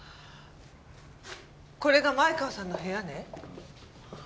これが前川さんの部屋ね。